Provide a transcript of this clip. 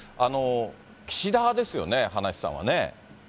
岸田派ですよね、葉梨さんはね。